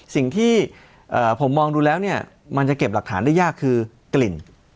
สิ่งที่ผมมองดูแล้วเนี่ยมันจะเก็บหลักฐานได้ยากคือกลิ่น